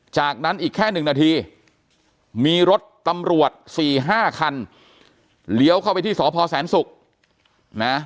จากนั้นอีกแค่๑นาทีมีรถตำรวจ๔๕คันเลี้ยวเข้าไปที่สพแสนศุกร์นะ